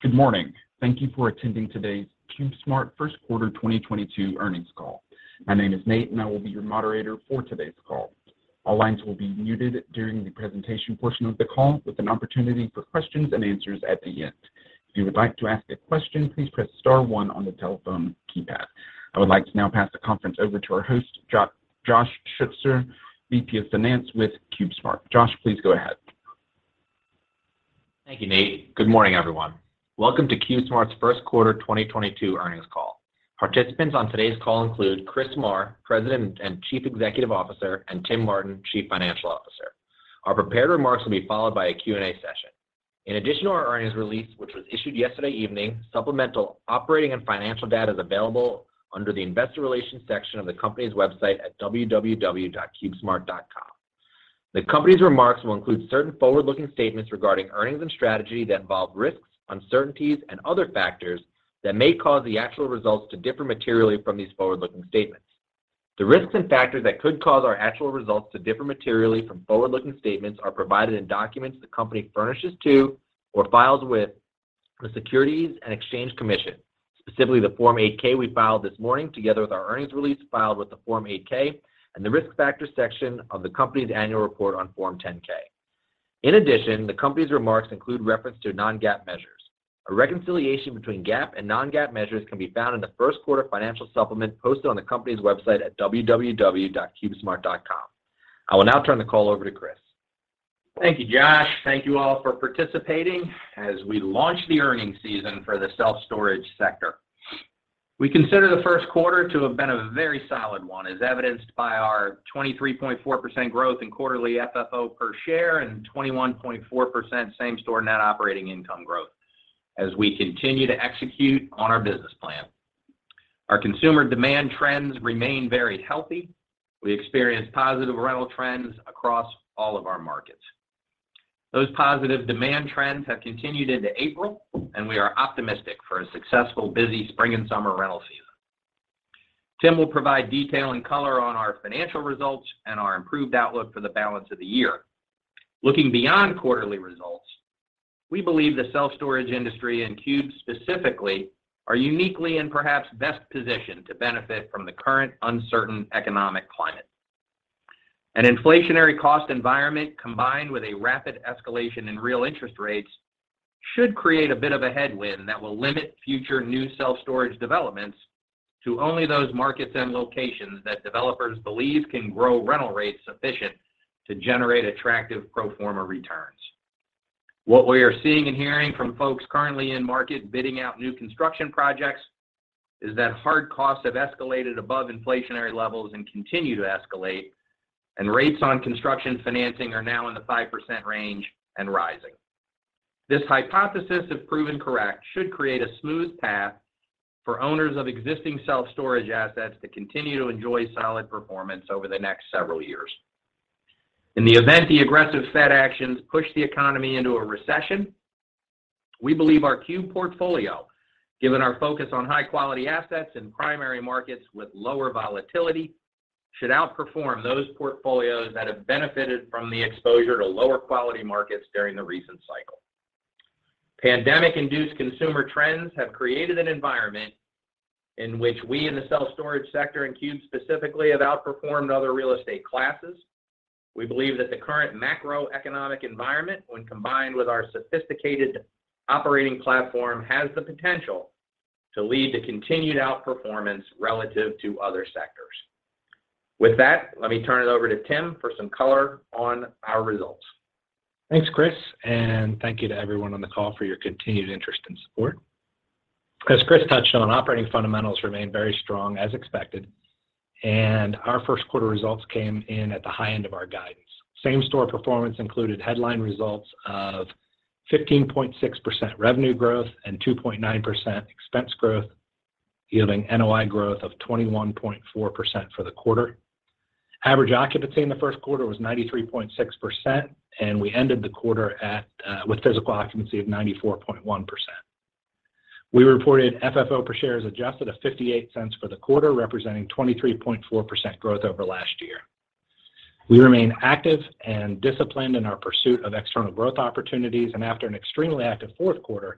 Good morning. Thank you for attending today's CubeSmart Q1 2022 Earnings Call. My name is Nate, and I will be your moderator for today's call. All lines will be muted during the presentation portion of the call, with an opportunity for questions-and-answers at the end. If you would like to ask a question, please press star one on the telephone keypad. I would like to now pass the conference over to our host, Josh Schutzer, VP of Finance with CubeSmart. Josh, please go ahead. Thank you, Nate. Good morning, everyone. Welcome to CubeSmart's Q1 2022 Earnings Call. Participants on today's call include Chris Marr, President and Chief Executive Officer, and Tim Martin, Chief Financial Officer. Our prepared remarks will be followed by a Q&A session. In addition to our earnings release, which was issued yesterday evening, supplemental operating and financial data is available under the Investor Relations section of the company's website at www.cubesmart.com. The company's remarks will include certain forward-looking statements regarding earnings and strategy that involve risks, uncertainties, and other factors that may cause the actual results to differ materially from these forward-looking statements. The risks and factors that could cause our actual results to differ materially from forward-looking statements are provided in documents the company furnishes to or files with the Securities and Exchange Commission, specifically the Form 8-K we filed this morning, together with our earnings release filed with the Form 8-K and the Risk Factors section of the company's annual report on Form 10-K. In addition, the company's remarks include reference to non-GAAP measures. A reconciliation between GAAP and non-GAAP measures can be found in the first quarter financial supplement posted on the company's website at www.cubesmart.com. I will now turn the call over to Chris. Thank you, Josh. Thank you all for participating as we launch the earnings season for the self-storage sector. We consider Q1 to have been a very solid one, as evidenced by our 23.4% growth in quarterly FFO per share and 21.4% same-store net operating income growth as we continue to execute on our business plan. Our consumer demand trends remain very healthy. We experienced positive rental trends across all of our markets. Those positive demand trends have continued into April, and we are optimistic for a successful busy spring and summer rental season. Tim will provide detail and color on our financial results and our improved outlook for the balance of the year. Looking beyond quarterly results, we believe the self-storage industry, and Cube specifically, are uniquely and perhaps best positioned to benefit from the current uncertain economic climate. An inflationary cost environment combined with a rapid escalation in real interest rates should create a bit of a headwind that will limit future new self-storage developments to only those markets and locations that developers believe can grow rental rates sufficient to generate attractive pro forma returns. What we are seeing and hearing from folks currently in market bidding out new construction projects is that hard costs have escalated above inflationary levels and continue to escalate, and rates on construction financing are now in the 5% range and rising. This hypothesis, if proven correct, should create a smooth path for owners of existing self-storage assets to continue to enjoy solid performance over the next several years. In the event the aggressive Fed actions push the economy into a recession, we believe our Cube portfolio, given our focus on high-quality assets and primary markets with lower volatility, should outperform those portfolios that have benefited from the exposure to lower quality markets during the recent cycle. Pandemic-induced consumer trends have created an environment in which we in the self-storage sector, and Cube specifically, have outperformed other real estate classes. We believe that the current macroeconomic environment, when combined with our sophisticated operating platform, has the potential to lead to continued outperformance relative to other sectors. With that, let me turn it over to Tim for some color on our results. Thanks, Chris, and thank you to everyone on the call for your continued interest and support. As Chris touched on, operating fundamentals remain very strong as expected, and our Q1 results came in at the high end of our guidance. Same-store performance included headline results of 15.6% revenue growth and 2.9% expense growth, yielding NOI growth of 21.4% for the quarter. Average occupancy in the first quarter was 93.6%, and we ended the quarter at, with physical occupancy of 94.1%. We reported FFO per share as adjusted of $0.58 for the quarter, representing 23.4% growth over last year. We remain active and disciplined in our pursuit of external growth opportunities, and after an extremely active Q4,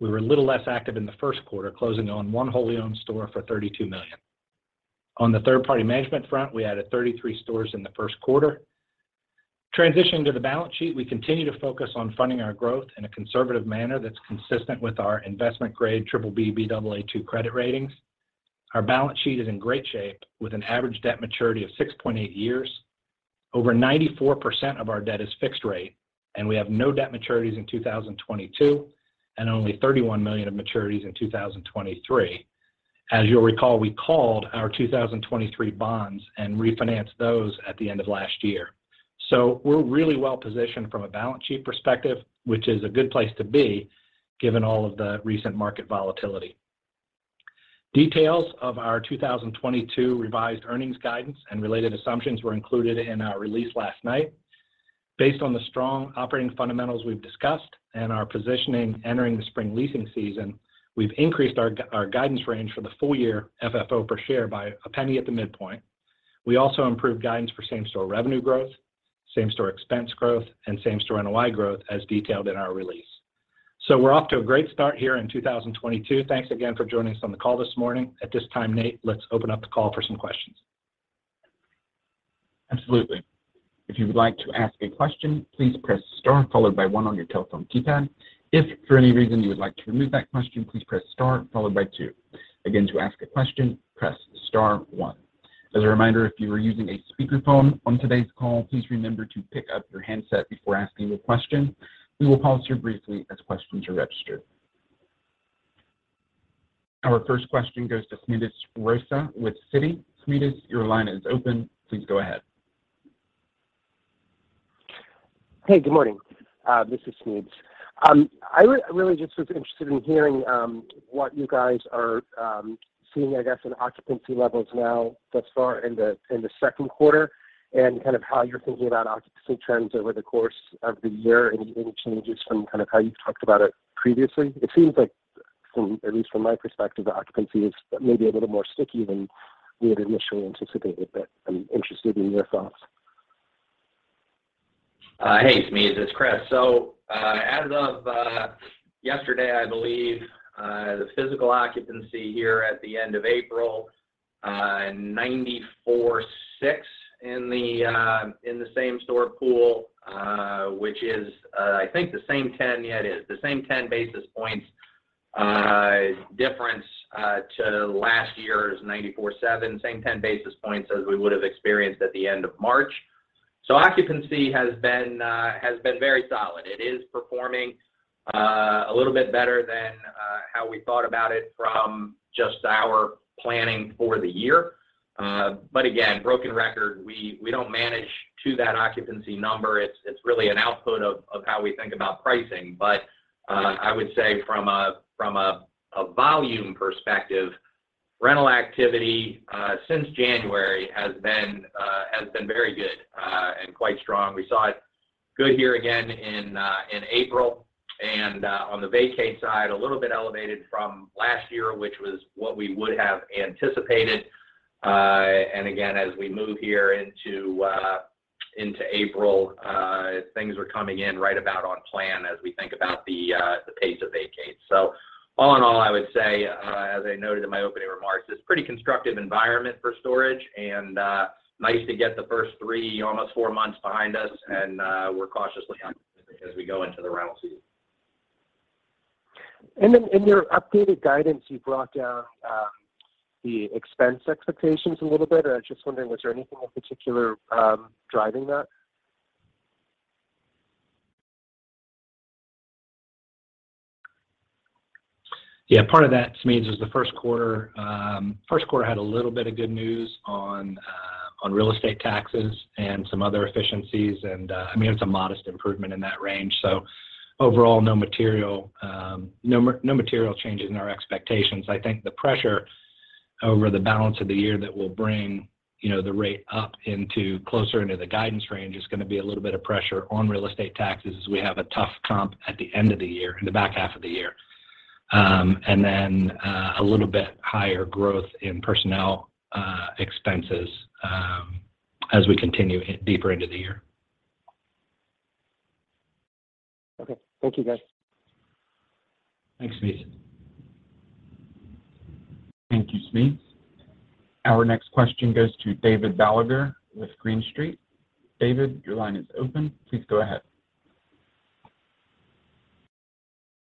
we were a little less active in Q1, closing on one wholly owned store for $32 million. On the third-party management front, we added 33 stores in Q1. Transitioning to the balance sheet, we continue to focus on funding our growth in a conservative manner that's consistent with our investment-grade BBB/Baa2 credit ratings. Our balance sheet is in great shape with an average debt maturity of 6.8 years. Over 94% of our debt is fixed rate, and we have no debt maturities in 2022, and only $31 million of maturities in 2023. As you'll recall, we called our 2023 bonds and refinanced those at the end of last year. We're really well-positioned from a balance sheet perspective, which is a good place to be given all of the recent market volatility. Details of our 2022 revised earnings guidance and related assumptions were included in our release last night. Based on the strong operating fundamentals we've discussed and our positioning entering the spring leasing season, we've increased our our guidance range for the full year FFO per share by a penny at the midpoint. We also improved guidance for same-store revenue growth. Same-store expense growth and same-store NOI growth as detailed in our release. We're off to a great start here in 2022. Thanks again for joining us on the call this morning. At this time, Nate, let's open up the call for some questions. Absolutely. If you would like to ask a question, please press star followed by one on your telephone keypad. If, for any reason, you would like to remove that question, please press star followed by two. Again, to ask a question, press star one. As a reminder, if you are using a speakerphone on today's call, please remember to pick up your handset before asking a question. We will pause here briefly as questions are registered. Our first question goes to Smedes Rose with Citi. Smedes, your line is open. Please go ahead. Hey, good morning. This is Smedes. I really just was interested in hearing what you guys are seeing, I guess, in occupancy levels now thus far in the second quarter, and kind of how you're thinking about occupancy trends over the course of the year, any changes from kind of how you talked about it previously. It seems like from at least from my perspective, the occupancy is maybe a little more sticky than we had initially anticipated, but I'm interested in your thoughts. Hey, Smedes, it's Chris. As of yesterday, I believe, the physical occupancy here at the end of April, 94.6 in the same-store pool, which is, I think the same 10. Yeah, it is. The same 10 basis points difference to last year's 94.7, same 10 basis points as we would have experienced at the end of March. Occupancy has been very solid. It is performing a little bit better than how we thought about it from just our planning for the year. But again, broken record, we don't manage to that occupancy number. It's really an output of how we think about pricing. I would say from a volume perspective, rental activity since January has been very good and quite strong. We saw it good here again in April. On the vacate side, a little bit elevated from last year, which was what we would have anticipated. Again, as we move here into April, things are coming in right about on plan as we think about the pace of vacates. All in all, I would say, as I noted in my opening remarks, it's pretty constructive environment for storage and nice to get the first three, almost four months behind us and we're cautiously optimistic as we go into the rental season. In your updated guidance, you brought down the expense expectations a little bit. I was just wondering, was there anything in particular driving that? Yeah, part of that, Smedes, is Q1. Q1 had a little bit of good news on real estate taxes and some other efficiencies, and, I mean, it's a modest improvement in that range. Overall, no material changes in our expectations. I think the pressure over the balance of the year that will bring, you know, the rate up into closer into the guidance range is gonna be a little bit of pressure on real estate taxes as we have a tough comp at the end of the year, in the back half of the year. Then, a little bit higher growth in personnel expenses, as we continue deeper into the year. Okay. Thank you, guys. Thanks, Smedes. Thank you, Smedes Rose. Our next question goes to Dave Bragg with Green Street. Dave, your line is open. Please go ahead.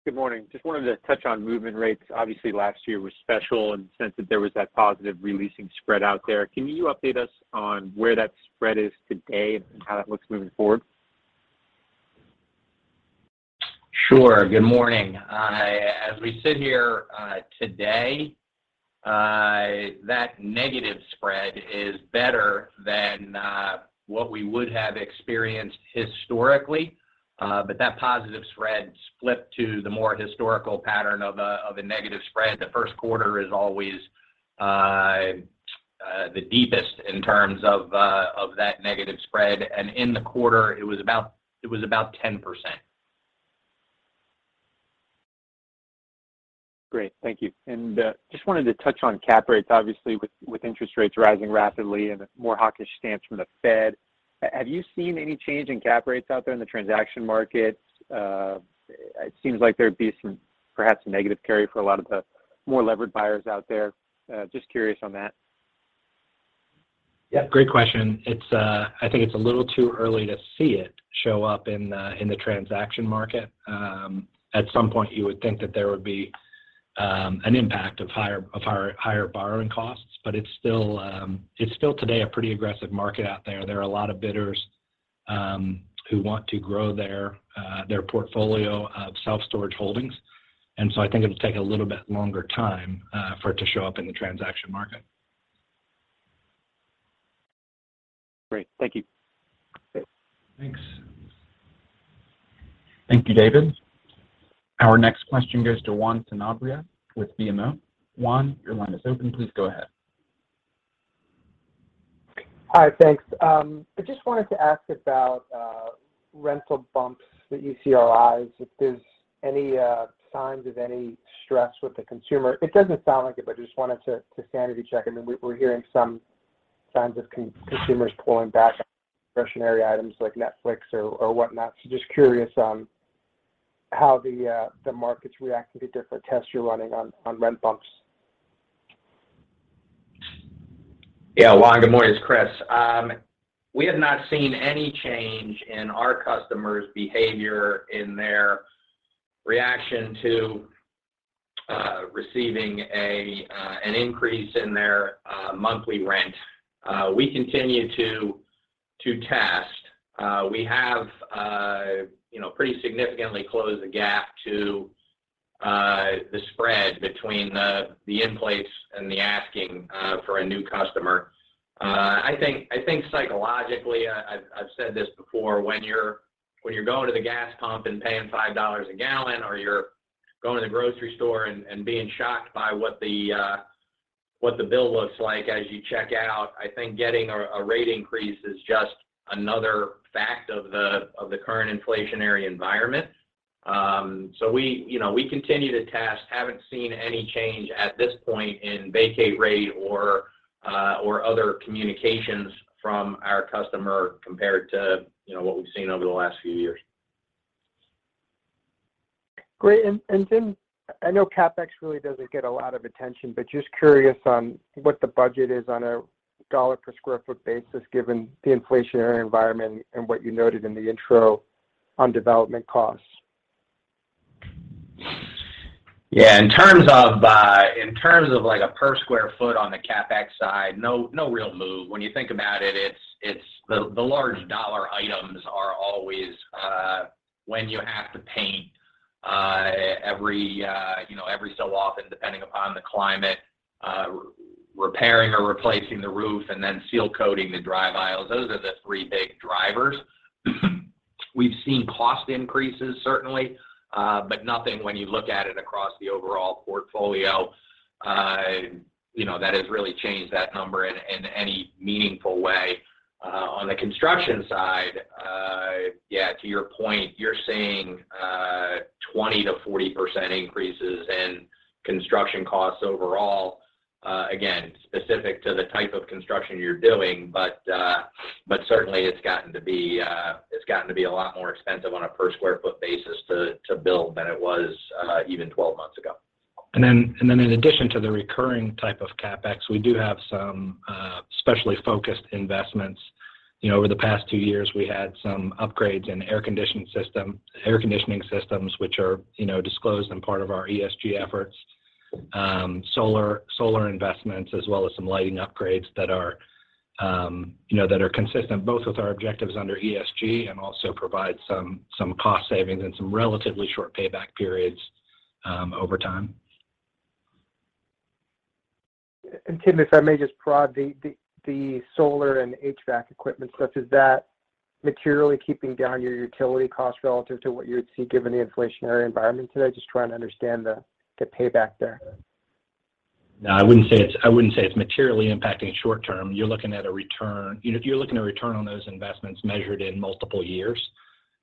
Good morning. Just wanted to touch on movement rates. Obviously, last year was special in the sense that there was that positive releasing spread out there. Can you update us on where that spread is today and how that looks moving forward? Sure. Good morning. As we sit here today, that negative spread is better than what we would have experienced historically. That positive spread flipped to the more historical pattern of a negative spread. The first quarter is always the deepest in terms of that negative spread. In the quarter, it was about 10%. Great. Thank you. Just wanted to touch on cap rates, obviously, with interest rates rising rapidly and a more hawkish stance from the Fed. Have you seen any change in cap rates out there in the transaction markets? It seems like there'd be some, perhaps a negative carry for a lot of the more levered buyers out there. Just curious on that. Yeah. Great question. It's a little too early to see it show up in the transaction market. At some point, you would think that there would be an impact of higher borrowing costs, but it's still today a pretty aggressive market out there. There are a lot of bidders who want to grow their portfolio of self-storage holdings. I think it'll take a little bit longer time for it to show up in the transaction market. Great. Thank you. Okay. Thanks. Thank you, Dave. Our next question goes to Juan Sanabria with BMO. Juan, your line is open. Please go ahead. Hi. Thanks. I just wanted to ask about rental bumps that you see arising, if there's any signs of any stress with the consumer. It doesn't sound like it, but just wanted to sanity check. I mean, we're hearing some signs of consumers pulling back on discretionary items like Netflix or whatnot. Just curious on how the market's reacting to different tests you're running on rent bumps. Yeah. Juan, good morning, it's Chris. We have not seen any change in our customers' behavior in their reaction to receiving an increase in their monthly rent. We continue to test. We have, you know, pretty significantly closed the gap to the spread between the in-place and the asking for a new customer. I think psychologically, I've said this before, when you're going to the gas pump and paying $5 a gallon, or you're going to the grocery store and being shocked by what the bill looks like as you check out, I think getting a rate increase is just another fact of the current inflationary environment. We, you know, we continue to test. Haven't seen any change at this point in vacancy rate or other communications from our customer compared to, you know, what we've seen over the last few years. Great. Tim, I know CapEx really doesn't get a lot of attention, but just curious on what the budget is on a $ per sq ft basis, given the inflationary environment and what you noted in the intro on development costs. Yeah. In terms of like a per sq ft on the CapEx side, no real move. When you think about it's the large dollar items are always when you have to paint every so often, depending upon the climate, repairing or replacing the roof and then seal coating the drive aisles. Those are the three big drivers. We've seen cost increases certainly, but nothing when you look at it across the overall portfolio that has really changed that number in any meaningful way. On the construction side, yeah, to your point, you're seeing 20%-40% increases in construction costs overall, again, specific to the type of construction you're doing. Certainly it's gotten to be a lot more expensive on a per sq ft basis to build than it was even 12 months ago. In addition to the recurring type of CapEx, we do have some specially focused investments. You know, over the past two years, we had some upgrades in air conditioning systems, which are, you know, disclosed as part of our ESG efforts. Solar investments as well as some lighting upgrades that are, you know, that are consistent both with our objectives under ESG and also provide some cost savings and some relatively short payback periods over time. Tim, if I may just prod, the solar and HVAC equipment stuff, is that materially keeping down your utility costs relative to what you would see given the inflationary environment today? Just trying to understand the payback there. No, I wouldn't say it's materially impacting short term. You're looking at a return. You know, if you're looking at return on those investments measured in multiple years,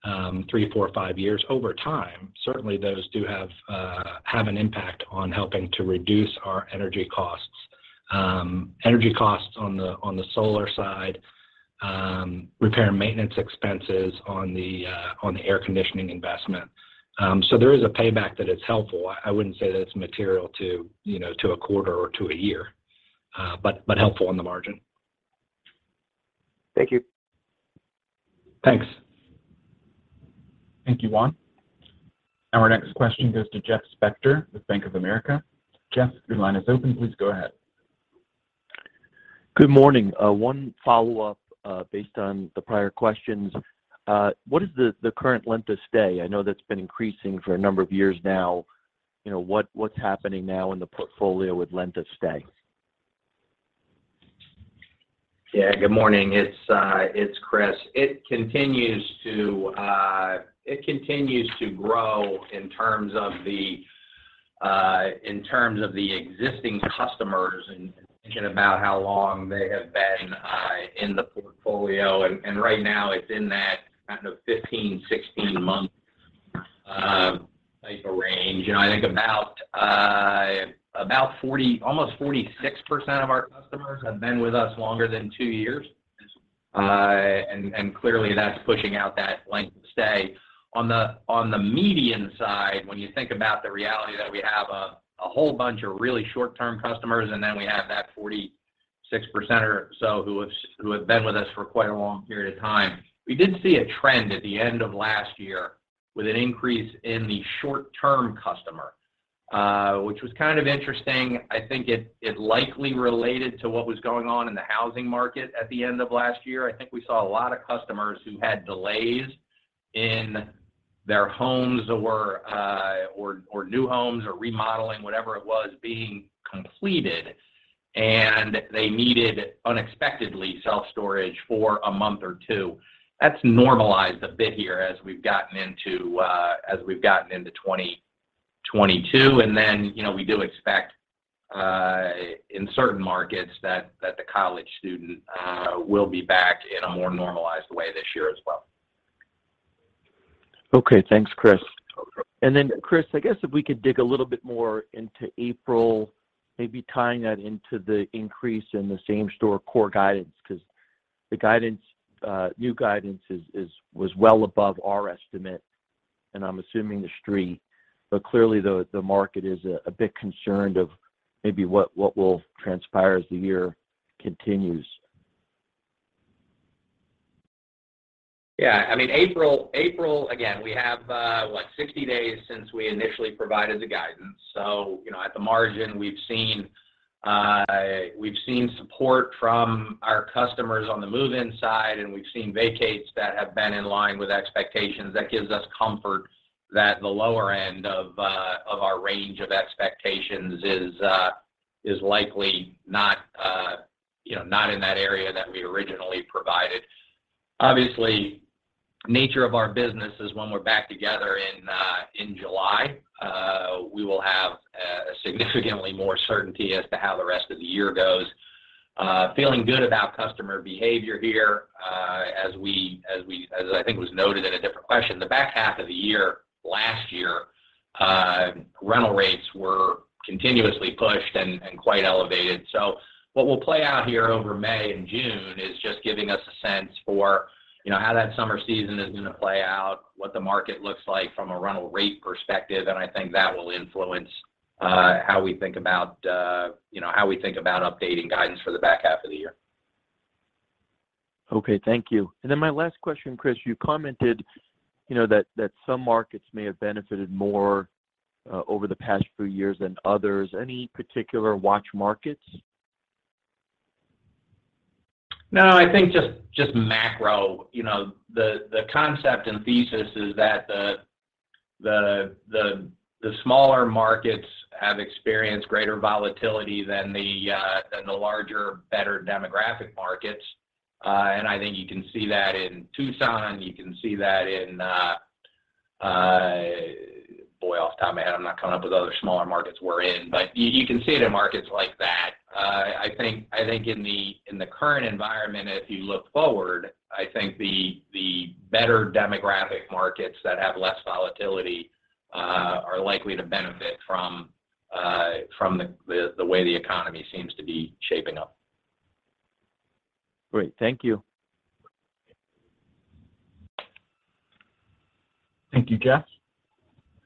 3, 4, 5 years, over time, certainly those do have an impact on helping to reduce our energy costs. Energy costs on the solar side, repair and maintenance expenses on the air conditioning investment. So there is a payback that is helpful. I wouldn't say that it's material to, you know, to a quarter or to a year, but helpful on the margin. Thank you. Thanks. Thank you, Juan. Our next question goes to Jeff Spector with Bank of America. Jeff, your line is open. Please go ahead. Good morning. One follow-up based on the prior questions. What is the current length of stay? I know that's been increasing for a number of years now. You know, what's happening now in the portfolio with length of stay? Yeah, good morning. It's Chris. It continues to grow in terms of the existing customers and thinking about how long they have been in the portfolio, and right now it's in that kind of 15-16 month type of range. You know, I think about 40, almost 46% of our customers have been with us longer than two years. Clearly that's pushing out that length of stay. On the median side, when you think about the reality that we have a whole bunch of really short-term customers, and then we have that 46% or so who have been with us for quite a long period of time. We did see a trend at the end of last year with an increase in the short-term customer, which was kind of interesting. I think it likely related to what was going on in the housing market at the end of last year. I think we saw a lot of customers who had delays in their homes or new homes or remodeling, whatever it was being completed, and they needed unexpectedly self-storage for a month or two. That's normalized a bit here as we've gotten into 2022, and then, you know, we do expect in certain markets that the college student will be back in a more normalized way this year as well. Okay. Thanks, Chris. Okay. Then Chris, I guess if we could dig a little bit more into April, maybe tying that into the increase in the same-store core guidance because the guidance, new guidance was well above our estimate, and I'm assuming the street. Clearly, the market is a bit concerned of maybe what will transpire as the year continues. Yeah. I mean, April, again, we have what, 60 days since we initially provided the guidance. So, you know, at the margin, we've seen support from our customers on the move-in side, and we've seen vacates that have been in line with expectations. That gives us comfort that the lower end of our range of expectations is likely not, you know, not in that area that we originally provided. Obviously, nature of our business is when we're back together in July, we will have significantly more certainty as to how the rest of the year goes. Feeling good about customer behavior here, as I think was noted in a different question. The back half of the year last year, rental rates were continuously pushed and quite elevated. What we'll play out here over May and June is just giving us a sense for, you know, how that summer season is gonna play out, what the market looks like from a rental rate perspective, and I think that will influence how we think about, you know, updating guidance for the back half of the year. Okay. Thank you. My last question, Chris, you commented, you know, that some markets may have benefited more, over the past few years than others. Any particular watch markets? No, I think just macro. You know, the concept and thesis is that the smaller markets have experienced greater volatility than the larger, better demographic markets. I think you can see that in Tucson. Boy, off the top of my head, I'm not coming up with other smaller markets we're in. You can see it in markets like that. I think in the current environment, if you look forward, I think the better demographic markets that have less volatility are likely to benefit from the way the economy seems to be shaping up. Great. Thank you. Thank you, Jeff.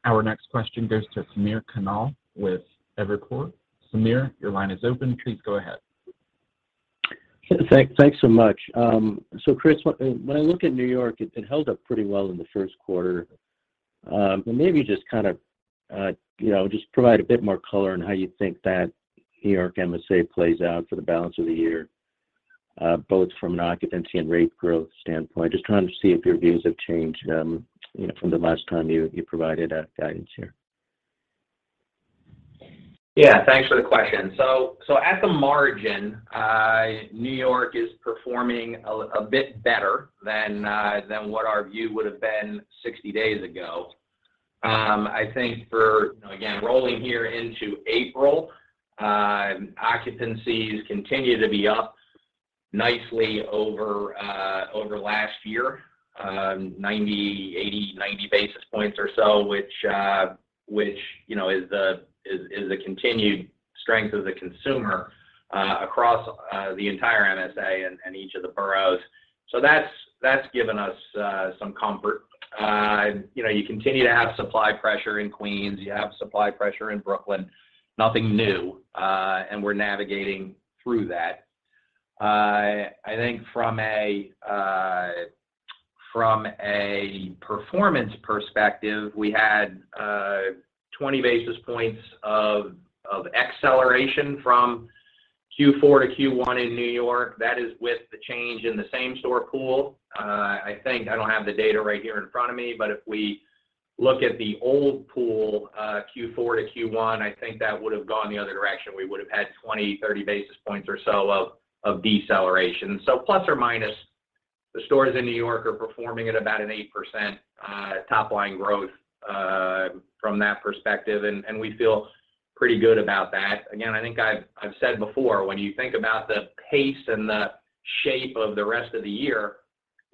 Our next question goes to Samir Khanal with Evercore. Samir, your line is open. Please go ahead. Sure. Thanks so much. Chris, when I look at New York, it held up pretty well in the first quarter. Maybe just kind of, you know, just provide a bit more color on how you think that New York MSA plays out for the balance of the year, both from an occupancy and rate growth standpoint. Just trying to see if your views have changed, you know, from the last time you provided guidance here. Yeah. Thanks for the question. At the margin, New York is performing a bit better than what our view would have been 60 days ago. I think, you know, again, rolling here into April, occupancies continue to be up nicely over last year, 89 basis points or so which you know is the continued strength of the consumer across the entire MSA and each of the boroughs. That's given us some comfort. You know, you continue to have supply pressure in Queens. You have supply pressure in Brooklyn. Nothing new and we're navigating through that. I think from a performance perspective, we had 20 basis points of acceleration from Q4 to Q1 in New York. That is with the change in the same-store pool. I think, I don't have the data right here in front of me, but if we look at the old pool, Q4 to Q1, I think that would have gone the other direction. We would have had 20-30 basis points or so of deceleration. Plus or minus, the stores in New York are performing at about an 8% top line growth from that perspective, and we feel pretty good about that. Again, I think I've said before, when you think about the pace and the shape of the rest of the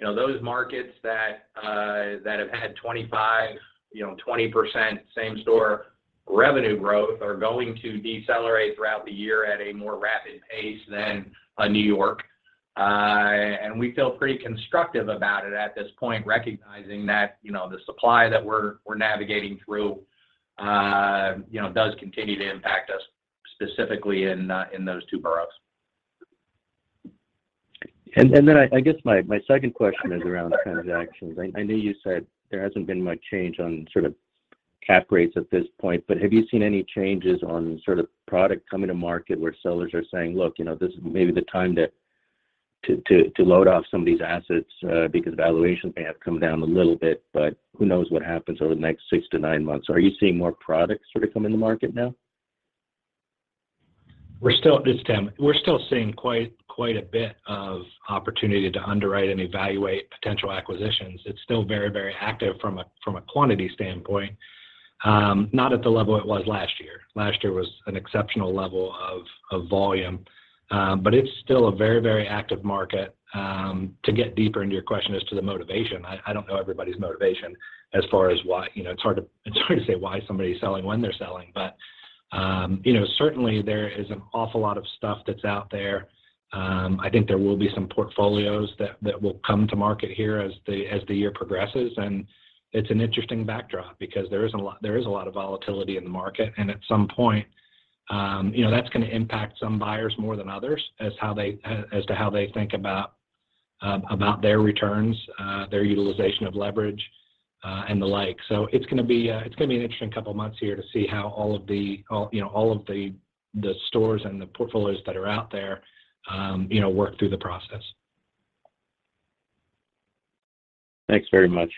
year, you know, those markets that have had 25, you know, 20% same-store revenue growth are going to decelerate throughout the year at a more rapid pace than New York. We feel pretty constructive about it at this point, recognizing that, you know, the supply that we're navigating through, you know, does continue to impact us specifically in those two boroughs. Then I guess my second question is around transactions. I know you said there hasn't been much change on sort of cap rates at this point, but have you seen any changes on sort of product coming to market where sellers are saying, Look, you know, this is maybe the time to offload some of these assets, because valuations may have come down a little bit, but who knows what happens over the next 6-9 months? Are you seeing more products sort of come to the market now? We're still seeing quite a bit of opportunity to underwrite and evaluate potential acquisitions. It's still very active from a quantity standpoint, not at the level it was last year. Last year was an exceptional level of volume, but it's still a very active market. To get deeper into your question as to the motivation, I don't know everybody's motivation as far as why. You know, it's hard to say why somebody's selling when they're selling. But you know, certainly there is an awful lot of stuff that's out there. I think there will be some portfolios that will come to market here as the year progresses. It's an interesting backdrop because there is a lot of volatility in the market. At some point, you know, that's gonna impact some buyers more than others as to how they think about their returns, their utilization of leverage, and the like. It's gonna be an interesting couple of months here to see how all of the stores and the portfolios that are out there, you know, work through the process. Thanks very much.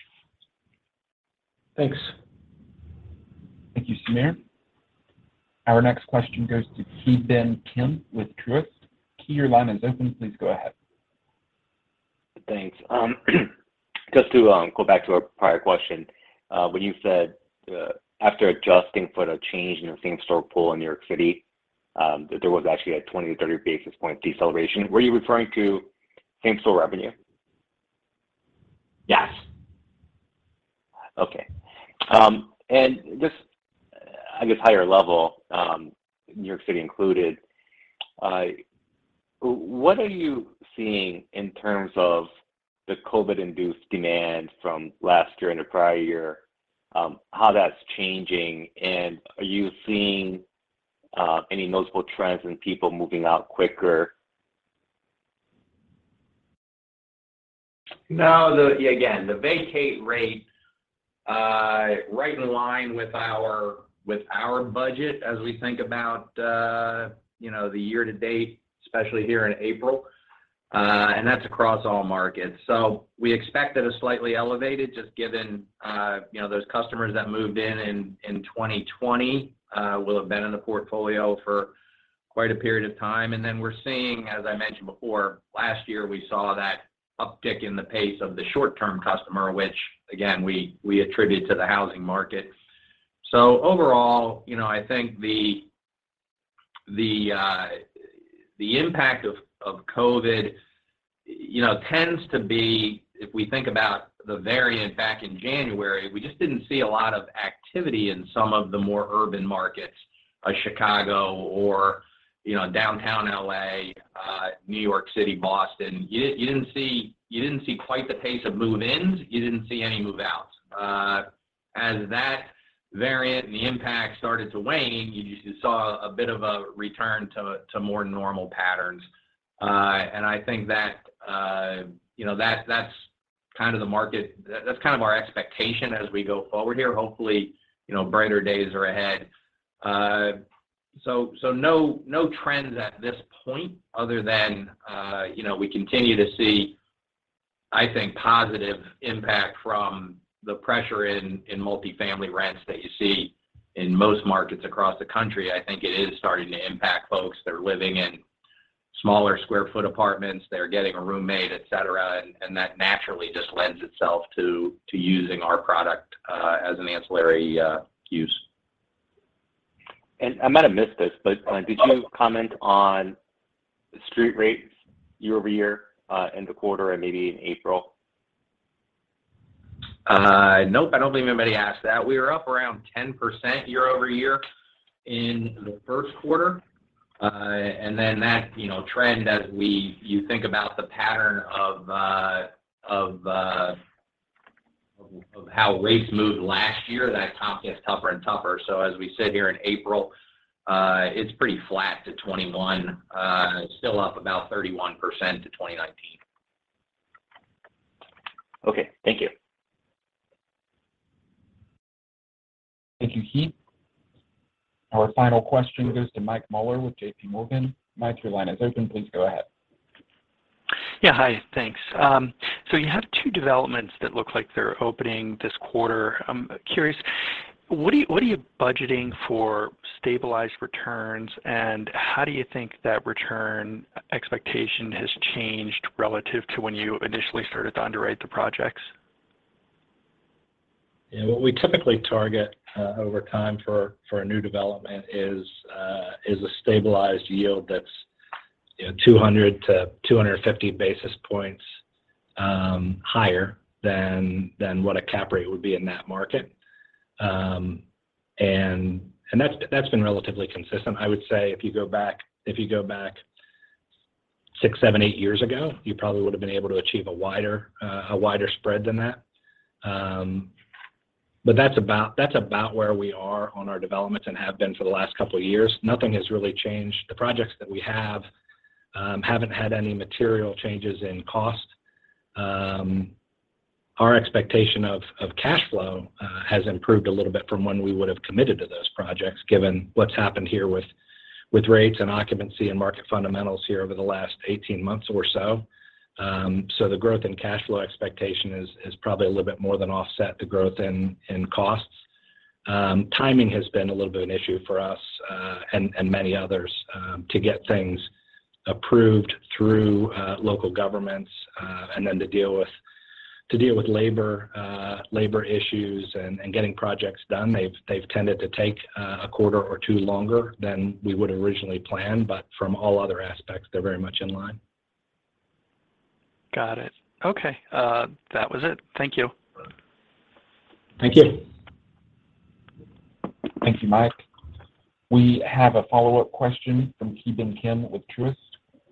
Thanks. Thank you, Samir. Our next question goes to Ki Bin Kim with Truist. Ki, your line is open. Please go ahead. Thanks. Just to go back to a prior question, when you said, after adjusting for the change in the same-store pool in New York City, that there was actually a 20-30 basis point deceleration, were you referring to same-store revenue? Yes. Okay. Just I guess higher level, New York City included, what are you seeing in terms of the COVID-induced demand from last year and the prior year, how that's changing, and are you seeing any noticeable trends in people moving out quicker? No. The, again, the vacancy rate right in line with our budget as we think about, you know, the year to date, especially here in April, and that's across all markets. We expect it is slightly elevated just given, you know, those customers that moved in in 2020 will have been in the portfolio for quite a period of time. We're seeing, as I mentioned before, last year, we saw that uptick in the pace of the short-term customer, which again, we attribute to the housing market. Overall, you know, I think the impact of COVID, you know, tends to be, if we think about the variant back in January, we just didn't see a lot of activity in some of the more urban markets, like Chicago or, you know, downtown L.A., New York City, Boston. You didn't see quite the pace of move-ins. You didn't see any move-outs. As that variant and the impact started to wane, you just saw a bit of a return to more normal patterns. I think that, you know, that's kind of the market. That's kind of our expectation as we go forward here. Hopefully, you know, brighter days are ahead. No trends at this point other than, you know, we continue to see, I think, positive impact from the pressure in multifamily rents that you see in most markets across the country. I think it is starting to impact folks that are living in smaller square foot apartments, that are getting a roommate, et cetera. That naturally just lends itself to using our product as an ancillary use. I might have missed this, but did you comment on the street rates year-over-year, in the quarter and maybe in April? No, I don't believe anybody asked that. We were up around 10% year-over-year in Q1. And then that, you know, trend you think about the pattern of how rates moved last year, that comp gets tougher and tougher. As we sit here in April, it's pretty flat to 2021, still up about 31% to 2019. Okay. Thank you. Thank you, Ki. Our final question goes to Mike Mueller with JPMorgan. Mike, your line is open. Please go ahead. Yeah. Hi. Thanks. you have two developments that look like they're opening this quarter. I'm curious, what are you budgeting for stabilized returns, and how do you think that return expectation has changed relative to when you initially started to underwrite the projects? Yeah. What we typically target over time for a new development is a stabilized yield that's, you know, 200-250 basis points higher than what a cap rate would be in that market. That's been relatively consistent. I would say if you go back 6, 7, 8 years ago, you probably would have been able to achieve a wider spread than that. That's about where we are on our developments and have been for the last couple of years. Nothing has really changed. The projects that we have haven't had any material changes in cost. Our expectation of cash flow has improved a little bit from when we would have committed to those projects, given what's happened here with rates and occupancy and market fundamentals here over the last 18 months or so. The growth in cash flow expectation has probably a little bit more than offset the growth in costs. Timing has been a little bit of an issue for us and many others to get things approved through local governments and then to deal with labor issues and getting projects done. They've tended to take a quarter or 2 longer than we would originally plan, but from all other aspects, they're very much in line. Got it. Okay. That was it. Thank you. Thank you. Thank you, Mike. We have a follow-up question from Ki Bin Kim with Truist.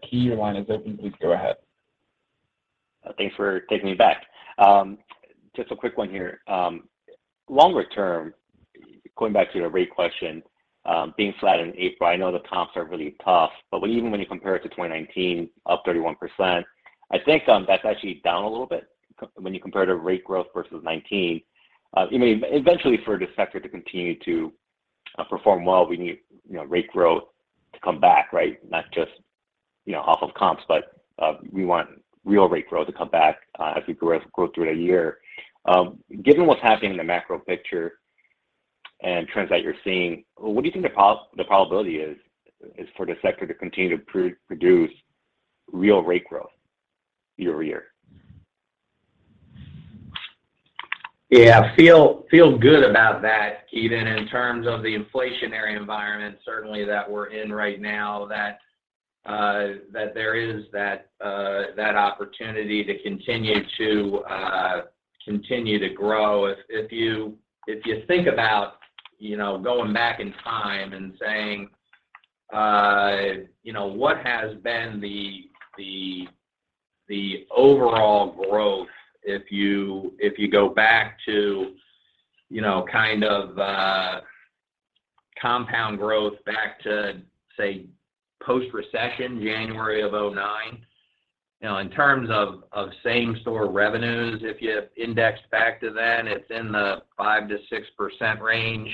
Ki, your line is open. Please go ahead. Thanks for taking me back. Just a quick one here. Longer term, going back to your rate question, being flat in April, I know the comps are really tough, but even when you compare it to 2019, up 31%, I think, that's actually down a little bit when you compare to rate growth versus 2019. You know, eventually for the sector to continue to perform well, we need, you know, rate growth to come back, right? Not just, you know, off of comps, but, we want real rate growth to come back, as we grow through the year. Given what's happening in the macro picture and trends that you're seeing, what do you think the probability is for the sector to continue to produce real rate growth year-over-year? Yeah, feel good about that, even in terms of the inflationary environment, certainly that we're in right now, that there is that opportunity to continue to grow. If you think about, you know, going back in time and saying, you know, what has been the overall growth if you go back to, you know, kind of a compound growth back to, say, post-recession, January of 2009. You know, in terms of same store revenues, if you indexed back to then, it's in the 5%-6% range.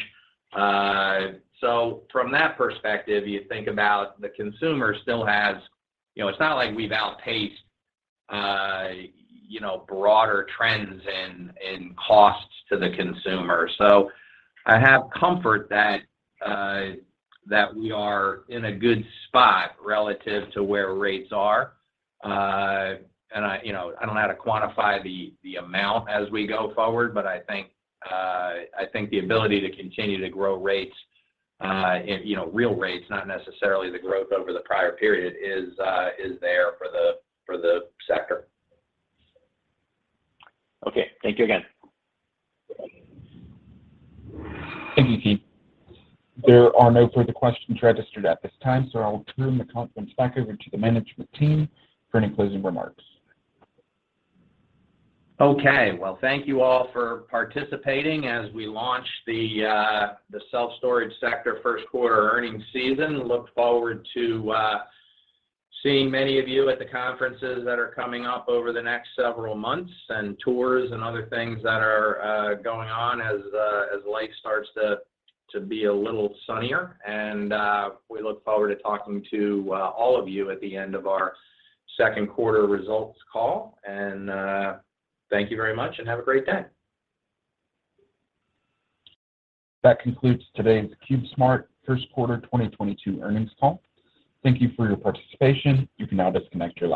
So from that perspective, you think about the consumer still has. You know, it's not like we've outpaced, you know, broader trends in costs to the consumer. I have comfort that we are in a good spot relative to where rates are. You know, I don't know how to quantify the amount as we go forward, but I think the ability to continue to grow rates, you know, real rates, not necessarily the growth over the prior period, is there for the sector. Okay. Thank you again. Thank you, Ki. There are no further questions registered at this time, so I'll turn the conference back over to the management team for any closing remarks. Okay. Well, thank you all for participating as we launch the self-storage sector Q1 earnings season. Look forward to seeing many of you at the conferences that are coming up over the next several months, and tours and other things that are going on as life starts to be a little sunnier. We look forward to talking to all of you at the end of our Q2 results call. Thank you very much and have a great day. That concludes today's CubeSmart Q1 2022 earnings call. Thank you for your participation. You can now disconnect your line.